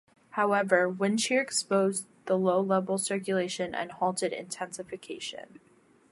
However, wind shear exposed the low-level circulation and halted intensification.